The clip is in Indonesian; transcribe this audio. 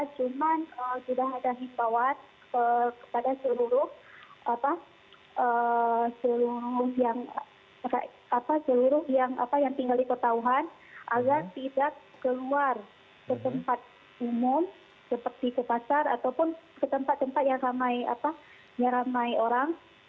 cuman sudah ada himbawan kepada seluruh yang tinggal di kota wuhan agar tidak keluar ke tempat umum seperti ke pasar ataupun ke tempat tempat yang ramai orang